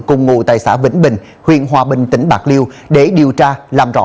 cùng ngụ tại xã vĩnh bình huyện hòa bình tỉnh bạc liêu để điều tra làm rõ